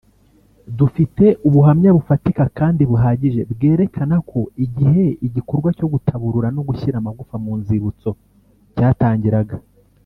Dufite ubuhamya bufatika kandi buhagije bwerekana ko igihe igikorwa cyo gutaburura no gushyira amagufa mu nzibutso cyatangiraga